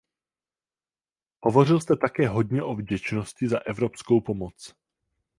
Hovořil jste také hodně o vděčnosti za evropskou pomoc.